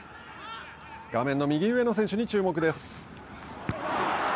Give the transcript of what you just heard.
画面の右上の選手に注目です。